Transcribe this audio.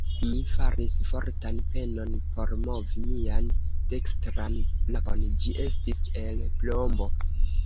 Mi faris fortan penon por movi mian dekstran brakon: ĝi estis el plombo.